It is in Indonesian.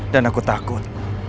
dan aku takut